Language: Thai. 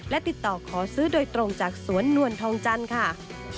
และติดต่อขอซื้อโดยตรงจากสวนนวลทองจันทร์ค่ะ